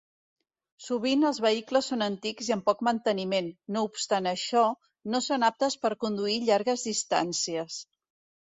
Sovint els vehicles són antics i amb poc manteniment, no obstant això, no són aptes per conduir llargues distàncies.